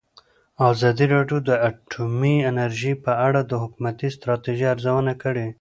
ازادي راډیو د اټومي انرژي په اړه د حکومتي ستراتیژۍ ارزونه کړې.